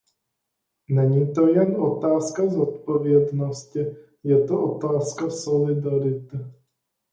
Není to jen otázka zodpovědnosti; je to otázka solidarity.